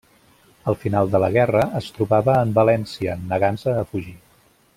Al final de la guerra es trobava en València, negant-se a fugir.